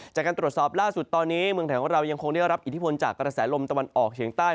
จากการตรวจสอบล่าสุดตอนนี้เมืองไทยของเรายังคงได้รับอิทธิพลจากกระแสลมตะวันออกเฉียงใต้